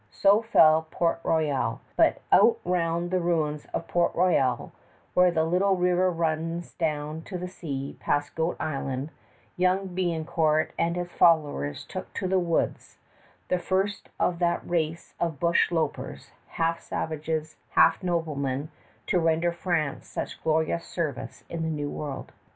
So fell Port Royal; but out round the ruins of Port Royal, where the little river runs down to the sea past Goat Island, young Biencourt and his followers took to the woods the first of that race of bush lopers, half savages, half noblemen, to render France such glorious service in the New World.